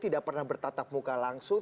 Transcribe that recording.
tidak pernah bertatap muka langsung